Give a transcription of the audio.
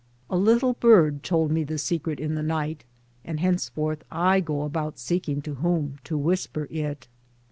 A little bird told me the secret in the night, and hence forth I go about seeking to whom to whisper it.